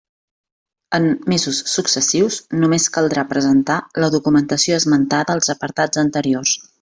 En mesos successius només caldrà presentar la documentació esmentada als apartats anteriors.